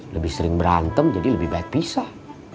lebih sering berantem jadi lebih baik pisah